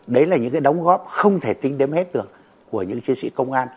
đấy là những cái đóng góp không thể tính đếm hết được của những chiến sĩ công an